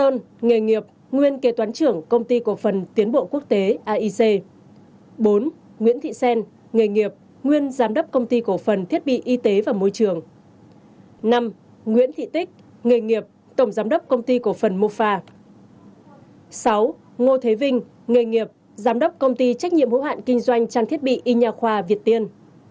ngô thế vinh người nghiệp giám đốc công ty trách nhiệm hữu hạn kinh doanh trang thiết bị y nhà khoa việt tiên